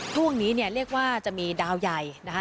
ช่วงนี้เนี่ยเรียกว่าจะมีดาวใหญ่นะคะ